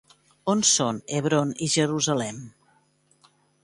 On són Hebron i Jerusalem?